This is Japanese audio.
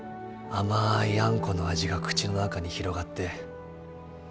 甘いあんこの味が口の中に広がって。